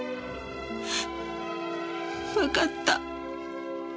わかった。